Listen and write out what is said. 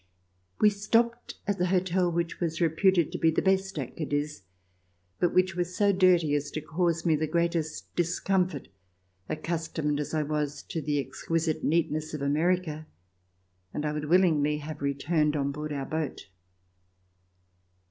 We stopped at the hotel which was reputed to be the best at Cadiz, but which was so dirty as to cause me the greatest discomfort, accustomed as I was to the exquisite neatness of America, and I would willingly have returned on board our boat.